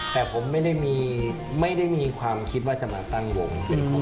แต่ผมไม่ได้มีความคิดว่าจะมาตั้งวง